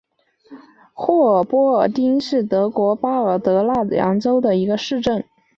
霍亨波尔丁格是德国巴伐利亚州的一个市镇。